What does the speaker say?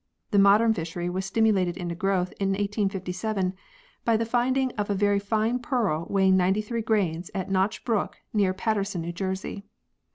The modern fishery was stimulated into growth in 1857 by the finding of a very fine pearl weighing 93 grains at Notch Brook near Paterson (New Jersey).